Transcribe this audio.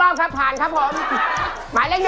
โอเคไม่เดือน